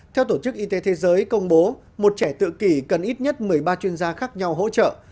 theo tổ chức y tế thế giới công bố một trẻ tự kỷ cần ít nhất một mươi ba chuyên gia khác nhau hỗ trợ